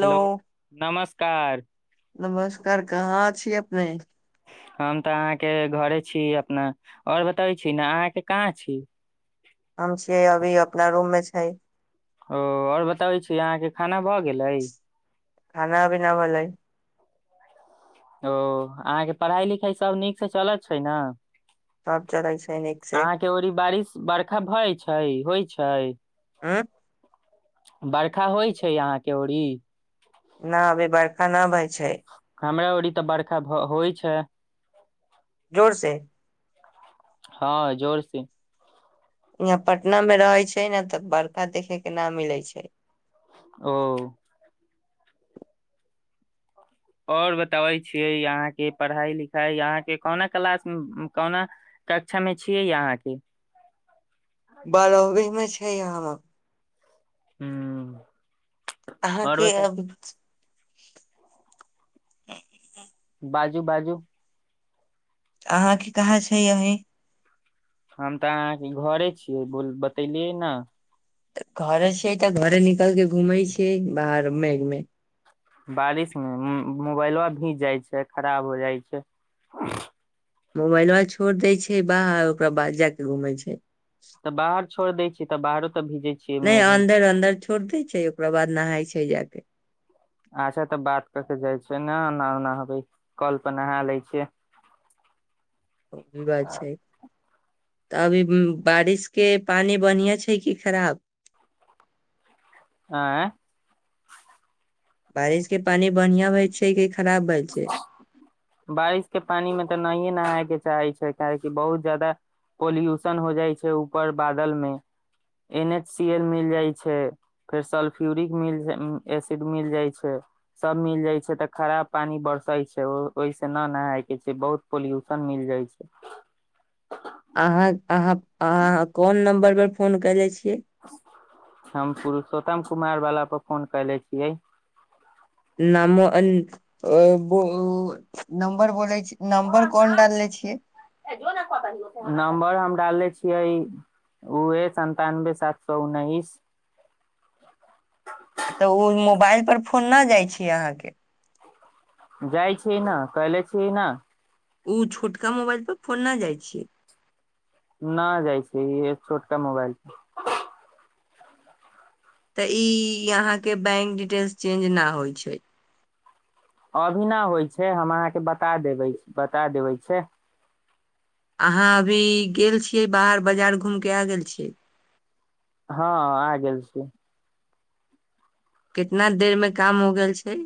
Hello नमस्कार नमस्कार कहाँ छी अपने हम तऽ अहाँके घरे छी अपना आओर बताबै छी ने अहाँके कहाँ छी हम छियै अभी अपना रूम मे छै ओ आओर बताबै छी अहाँके खाना भऽ गेलै खाना अभी न भलै। ओ अहाँके पढ़ाइ लिखाइ सब नीक से चलत छै न। सब चलै सैनिक से री बारिश बर्खा भए छै होइ छै आँ बरखा होइ छै यहांके ओड़ी न अभी बड़खा न भय छै हमरा ओरी तऽ बर्खा होइ छै जोर से हँ जोर से वहाँ पटना मे रहै छै ने तऽ बर्षा देखे के न मिले छै ओ आओर बताबै छीयै यहाँ के पढ़ाई लिखाई यहांके कोना क्लास कोना कक्षा मे छियै य अहाँके बारहवी मे छै हम हूं अहाँके अब बाजू बाजू अहाँके कहाँ छै अही हम तऽ अहाँके घरे छियै बोल बतेलियै न घरे छियै तऽ घरे निकल के घूमै छियै बाहर मेघ मे बारिश मे मोबाइबा भीज जाइ छै खराब हो जाइ छै मोबाइलबा छोइड़ देय छै बाहर ओकरा बाद जा के घूमेै छै तऽ बाहर छोड़ दै छैै त बाहरो तऽ भीजै नय अन्दर अन्दर छोड़ देै छै ओकरा बाद नहाय छै जा के अच्छा तऽ बात कर के जाइ छै ने एना ओना होबै कल पर नहा ले छियै ओ भी बात छै तऽ अभी बारिश के पानि बनिआं छै कि खराब आँ बारिश के पानि बनियां होए छै कि खराब भए छै [inaudible] बारिश के पानि मे तऽ नहिए नहाय के चाहे छै काहेकि बहुत जादा पोल्यूशन हो जाइ छै ऊपर बादल मे एन एच सी एल मिल जाइ छै फेर सलफ्यूरिक मिल एसिड मिल जाइ छै सब मिल जाइ छै तऽ खराब पानी बरसै छै ओ ओहिस न नहाय के छै बहुत पोल्यूशन मिल जाइ छै अहाँ अहां अहाँ कोन नम्बर पर फोन कयले छियै हम पुरुषोत्तम कुमार बाला पर फोन कयले छियै नाम ब [unintelligible] नम्बर बोलय छी नमबर कोन डालनेे छियै नम्बर हम डाले छियै ओहे सन्तानबे सात सए उन्नैस तऽ उ मोबाइल पर फोन न जाइ छी अहाँके जाइ छी न कले छी न उ छोटका मोबाइल पर फोन न जाइ छियै न जाइ छै ई छोटका मोबाइल प तऽ इ यहां के बैंक डिटेल्स चेंज ना होई छै अभी ना होइ छै हम अहाँके बता देबै बता देबै छै अहाँ अभी गेल छियै बाहर बाजार घूम के आ गेल छियै हँ आ गेल छी कितना देर मे काम हो गेल छै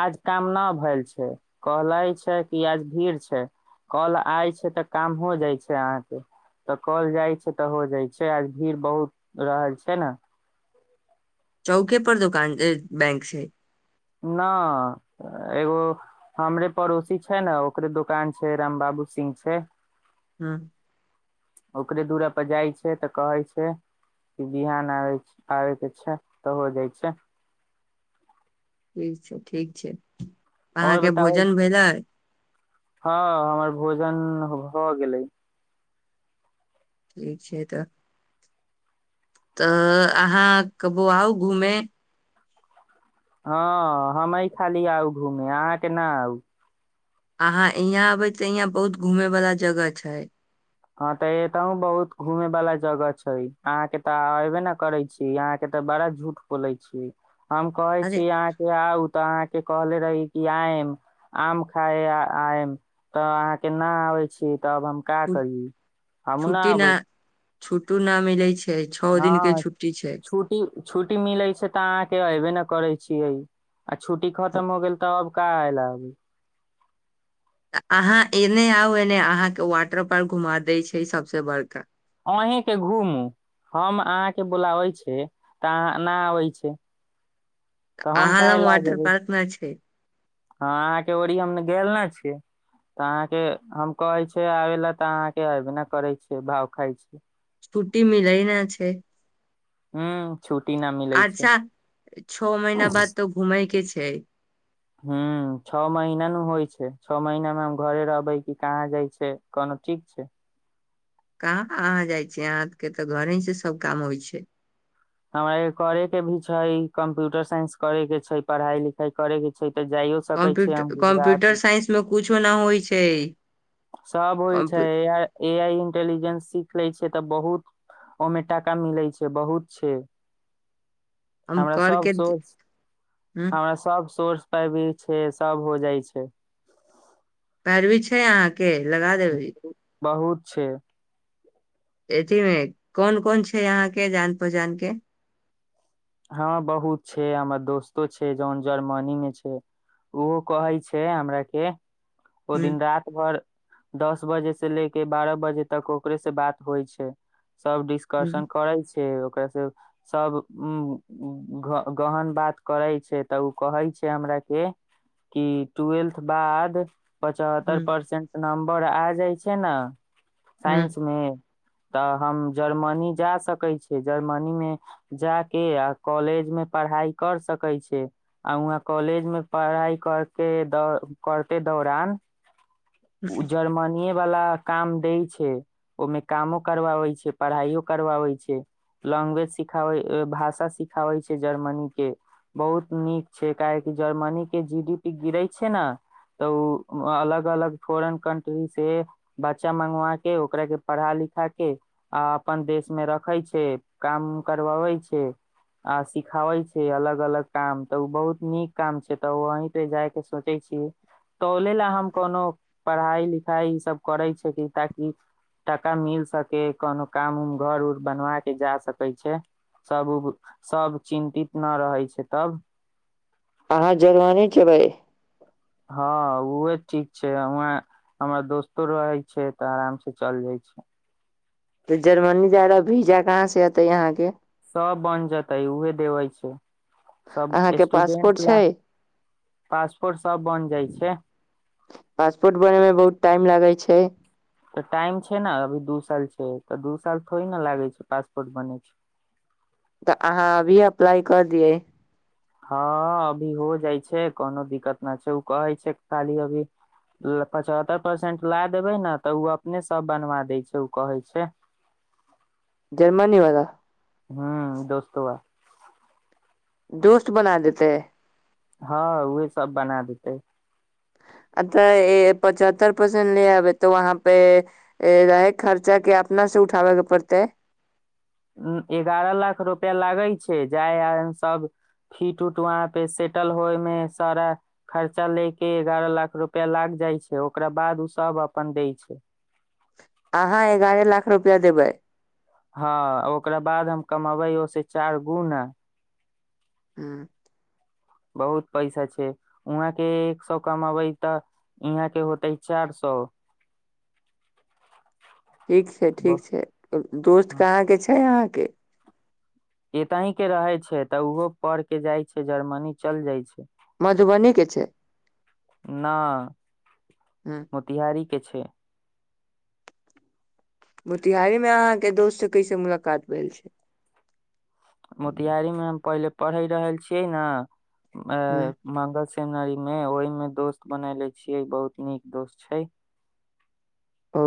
आज काम न भइल छै कहलै छै कि आज भीड़ छै कल आय छै तऽ काम हो जाइ छै अहाँके त कल जाइ छै तऽ हो जाइ छै आज भीड़ बहुत रहल छै न चौके पर दोकान बैंक छै न एगो हमरे पड़ोसी छै ने ओकरे दोकान छै राम बाबू सिंह से [unintelligible] ओकरे दूरा पर जाइ छै त कहैय छै। बिहान आब आबैके छै त हो जाइ छै। ठीक छै, ठीक छै, अहाँ और के बताबै भोजन भेलै हँ हमर भोजन भ गेलै। ठीक छै, त त अहाँ के बउआ आउ घूमे हँ हमे खाली आउ घूमे अहाँ के ना आउ अहाँ इहाँ अबे य इहाँ बहुत घूमे वला जगह छै। हँ त एतहु बहुत घूमे वाला जगह छै अहाँ के तऽ एबे ने करय छी इ अहाँ के त बड़ा झूठ बोले छी हम कहे अरे छी अहाँ के आउ त अहाँ से कहले रहि कि आइम। आम खााय आ तऽ अहाँके न आबे छी, तब हम का करी हमू छुट्टी न अबै छुट्टू न मिलै छै। छओ दिन के हँ छुट्टी छै छुट्टी छुट्टी मिलैत छै, त अहाँके ऐबे नय करैत छियै। आ छुट्टी खतम हो गेल त आब काइल आबि त अहाँ एने आउ एने अहाँके वाटर पार्क घुमा दै छै सबसे बड़का। अहींके घुमू हम अहाँ के बुलाबे छी त अहाँ न आबै छी त हम काल्हि आयब रही ना छै। हँ अहाँके ओरी हम गेल न छी। त अहाँके हम कहे छै आबे लए त अहाँ के अबे ने करै छियै भाव खाय छी। छुट्टी मिलय ना छै। ह्म्म छुट्टी ना मिल अच्छा छओ महीना बाद त घूमय के छै [inaudible] हम्म छओ महीना ने होइ छै छओ महीना मे हम घरे रहबै की कहाँ जाइ छै कोनो ठीक छै। कहाँ अहाँ जाइ छीय अहाँ के त घरे से सब काम होइ छै। हमरा इ करे के भी छै कम्प्यूटर साइंस करे के छै पढ़ाई लिखाई करे के छै त जाइयो। सकै छै कम्प्यूट हम गुजरात -कम्प्यूटर साइंसमे कुछो न होइ छै। सभ होइ छै कम्प्यू ए आइ इंटेलिजेंस सीख लै छियै तऽ बहुत ओमे टाका मिलै छै बहुत छै। हम हमरा सब करके सोर्स हमरा सब सोर्स पाइ भी छै सब हो जाइ छै। पैरवी छै अहाँके लगा देबहीं बहुत छै अथी कोन कोन छै यहाँ के जान पहचान के हँ बहुत छै हमर दोस्तो छै जन जर्मनी मे छै ओहो कहै छै हमरा के ओ ह दिन रात भर दस बजे से ले के बारह बजे तक ओकरे से बात होइ छै सब डिस् आकर्षण करै छै ओकररा से सब उ गहन बात करै छै तऽ ओ कहै छै हमरा के कि ट्व्वेल्थ बाद। पचहत्तर ह परसेंट नम्बर आ जाइ छै ने ह साइंस मे। तऽ हम जर्मनी जा सकै छियै जर्मनी मे जाके आ कॉलेज मे पढ़ाई कर सकै छै आ वहाँ कॉलेज मे पढ़ाई करके द करते दौरान जर्मनीये वला काम दै छै ओहिमे कामो करबाबै छै पढ़ाइयो करवाबै छै लैंग्वेज सिखाबै भाषा सिखाबै छै जर्मनी के बहुत नीक छै काहेकि जर्मनी के जी डी पी गिरै छै ने तऽ उ अलग अलग फोरेन कन्ट्री से बच्चा मंगा के ओकरा के पढ़ा लिखा के आ अपन देश मे रखै छै काम करवाबै छै आ सिखावै छै अलग अलग काम तऽ ओ बहुत नीक काम छै तऽ ओ अहीं पे जाय के सोच छी तऽ ओल ला हम कोनो पढ़ाई लिखाई ई सब करै छी ताकि टाका मिल सके कोनो काम उम घर उर बनवा के जा सकै छै सब उ सब चिन्तित न रहै छै तब अहाँ जवारी खेबै हँ उहे ठीक छै उहें हमर दोस्तो रहै छै तऽ आराम से चल जाइ छै तऽ जर्मनी जा विजा कहाँ से एऔते यहाँ के सब बन जेतै उहे देवे छै सब अहाँके पासपोर्ट स्टूडेंट ला छै पासपोर्ट सब बन जाइ छै पासपोर्ट बनेय मे बहुत टाइम लगै छै तऽ टाइम छै न अभी दू साल छै तऽ दू साल थोड़े न लागै छै पासपोर्ट बनै छै तऽ अहाँ अभी अप्लाई क दियै हँ अभी हो जाइ छै कोनो दिक्कत न छै ओ कहै छै खाली अभी पचहत्तर परसेंट ला देबै ने तऽ ओ अपने सब बनवा दै छै ओ कहै छै [inaudible] जर्मनी वला हू दोस्तो वा दोस्त बना देतेै हँ उहे सब बना देतै अ् तऽ पचहत्तर परसेंट ले आबै तऽ वहाँ पे रहै के खर्चा के अपना से उठाबैके पड़ते एगारह लाख रुपआ लागै छै जाय आबै मे सब फीट उट वहाँ पे सेटल होय मे सारा खर्चा ले के एगारह लाख रुपआ लाग जाइ छै ओकरा बाद ओ सब अपन दै छै अहाँ एगारह लाख रुपआ देबै हँ ओकरा बाद हम कमबै ओस चार गुना हूं बहुत पैसा छै वहाँ के एक सए कमबै तऽ ईहाँ के होतै चार सो ठीक छै ठीक छै दोस्त कहाँ के छै अहाँ के एतही के रहै छै तऽ ओहो पढ़ के जाय छै जर्मनी चल जाय छै मधुबनी के छै ना हूँ तिहारी के छै मोतिहारी मे अहाँ के दोस्त से कैसे मुलाकात भेल छै मोतियारीमे हम पहिले पढ़ि रहल छियै ने अ हूँ मंगल सेमनरी मे ओहि मे दोस्त बनले छियै बहुत नीक दोस्त छै [inaudible] उ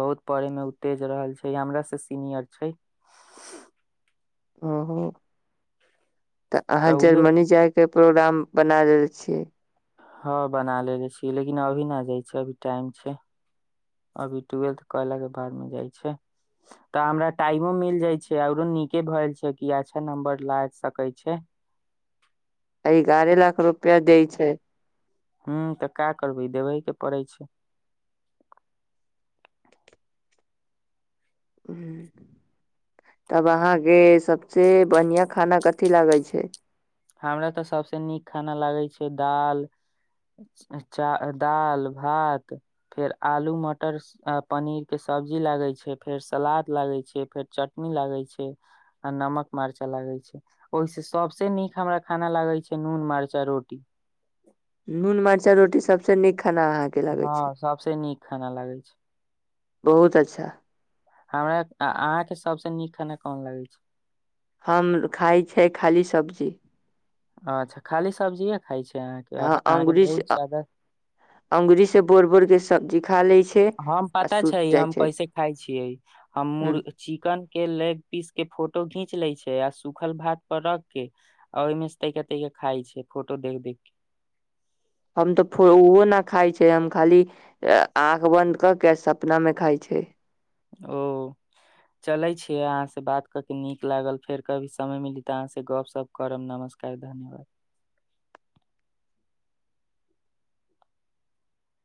बहुत पढ़ै मे उ तेज रहल छै हमरा से सीनियर छै कहू तऽ अहाँ जर्मनी जाय के प्रोग्राम बना देल छियै हँ बना लेेबे छियै लेकिन अभी न जाइ छै अभी टाइम छै अभी ट्वेल्थ कऽ लेबै बाद मे जाइ छै तऽ हमरा टाइमो मिल जाय छै औरो नीके भए छै कि अच्छा नम्बर ला सकै छै एगारह लाख रुपआ दै छै हूं तऽ का करबै देबहे के पड़ै छै ह तब अहा के सबसे बढ़िया खाना कथि लागै छै हमरा तऽ सभसँ नीक खाना लागै छै दाल चा दाल भात फेर आलू मटर आ पनीर के सब्जी लागै छै फेर सलाद लागै छै फेर चटनी लागै छै आ नमक मारचा लागै छै ओहि से सबसे नीक हमरा खाना लागै छै नून मर्चा रोटी नून मर्चा रोटी सबस नीक खाना अहाँ हँ सभ से नीक खाना लागै छै बहुत अच्छा हमरा अहा के सबस नीक खाना कोन लागै छै हम खाइ छै खाली सब्जी अच्छा खाली सब्जिए खाइ छै अहाँके आ अहाँके बहुत जादा अऔंगुरी से बोर बोर के सब्जी खा लै छै हम आ पता छै सुति जाइ हम कैसे खाय छियै हम ह मुर चिकन के लेग पीस के फोटो घींच लै छै आ सुखल भात पर रख के आ ओहिमेस तै तै खाइ छै फोट देख देख के हम तऽ फ ओहो न खाय छै हम खाली आँख बंद क के सपना मे खाइ छै ओ चलै छी अहाँ से बात क के नीक लागल फेर कभी समय मिली तऽ अहाँ से गप सप करब नमस्कार धन्यवाद